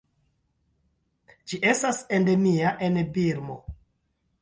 Ĝi estas endemia en Birmo.